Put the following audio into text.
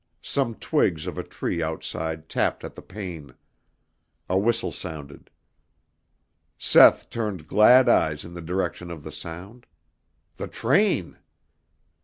Some twigs of a tree outside tapped at the pane. A whistle sounded. Seth turned glad eyes in the direction of the sound. The train!